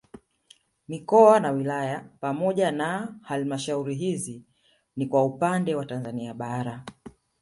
Mikoa na wilaya pamoja na halmashauri hizi ni kwa upande wa Tanzania bara